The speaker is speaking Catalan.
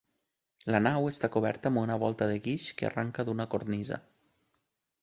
La nau està coberta amb una volta de guix que arranca d'una cornisa.